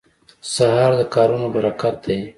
سهار د کارونو برکت دی.